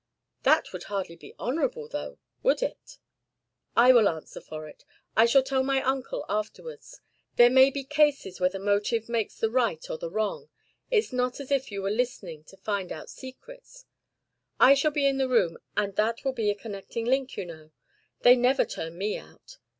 "That would hardly be honourable though would it?" "I will answer for it. I shall tell my uncle afterwards. There may be cases where the motive makes the right or the wrong. It's not as if you were listening to find out secrets. I shall be in the room, and that will be a connecting link, you know: they never turn me out.